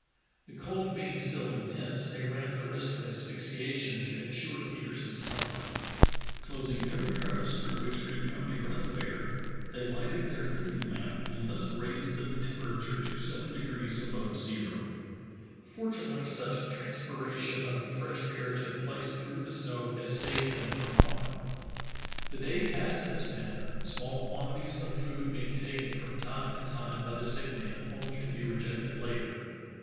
The cold being still intense, they ran the risk of asphyxiation to insure Petersen's comfort. Closing every crevice through which could come a breath of air, they lighted their cooking lamp and thus raised the temperature to seven degrees above zero. 228 True Tales of Arctic Heroism Fortunately such transpiration of fresh air took place through the snow as saved them from harm. The day passed in this manner, small quantities of food being taken from time to time by the sick man only to be rejected later.